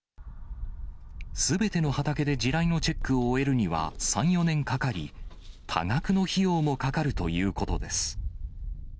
すべての畑で地雷のチェックを終えるには、３、４年かかり、多額の費用もかかるということです。